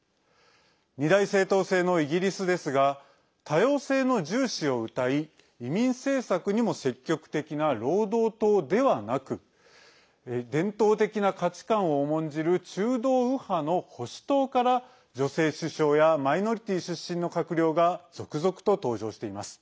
二大政党制のイギリスですが多様性の重視をうたい移民政策にも積極的な労働党ではなく伝統的な価値観を重んじる中道右派の保守党から女性首相やマイノリティー出身の閣僚が続々と登場しています。